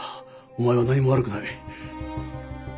お前は何も悪くない。